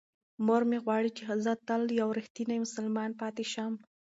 مور مې غواړي چې زه تل یو رښتینی مسلمان پاتې شم.